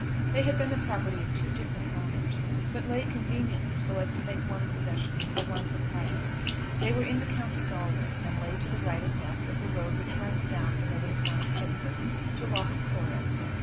They had been the property of two different owners, but lay conveniently so as to make one possession for one proprietor. They were in the County Galway, and lay to the right and left of the road which runs down from the little town of Headford to Lough Corrib.